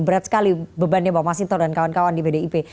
berat sekali bebannya bang masinto dan kawan kawan di pdip